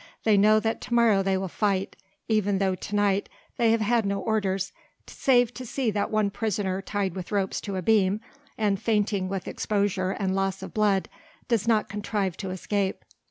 they know that to morrow they will fight, even though to night they have had no orders save to see that one prisoner tied with ropes to a beam and fainting with exposure and loss of blood does not contrive to escape.